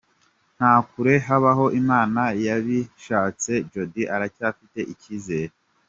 Nta kure habaho Imana yabishatse, Jody aracyafite icyizere.